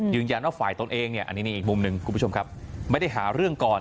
ว่าฝ่ายตนเองเนี่ยอันนี้อีกมุมหนึ่งคุณผู้ชมครับไม่ได้หาเรื่องก่อน